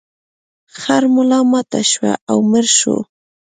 خر ملا ماته شوه او مړ شو.